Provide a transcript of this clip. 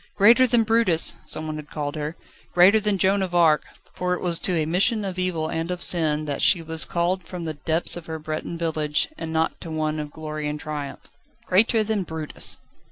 "Greater than Brutus!" some had called her. Greater than Joan of Arc, for it was to a mission of evil and of sin that she was called from the depths of her Breton village, and not to one of glory and triumph. "Greater than Brutus!"